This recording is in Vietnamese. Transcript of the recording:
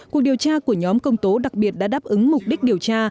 cuộc điều tra của nhóm công tố đặc biệt đã đáp ứng mục đích điều tra